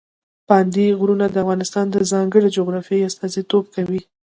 پابندي غرونه د افغانستان د ځانګړې جغرافیې استازیتوب کوي.